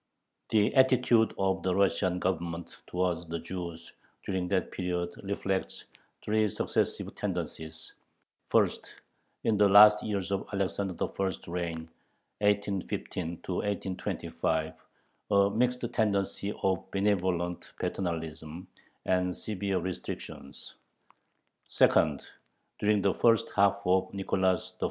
The attitude of the Russian Government towards the Jews during that period reflects three successive tendencies: first, in the last years of Alexander I.'s reign (1815 1825), a mixed tendency of "benevolent paternalism" and severe restrictions; second, during the first half of Nicholas I.'